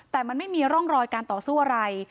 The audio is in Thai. แต่มันไม่มีร่องรอยการต่อสู้อะไร